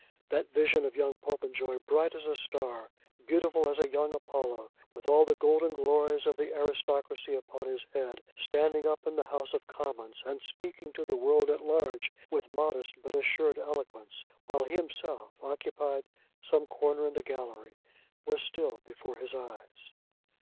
That vision of young Popenjoy, bright as a star, beautiful as a young Apollo, with all the golden glories of the aristocracy upon his head, standing up in the House of Commons and speaking to the world at large with modest but assured eloquence, while he himself occupied some corner in the gallery, was still before his eyes.